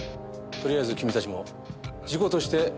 とりあえず君たちも事故として動いてくれ。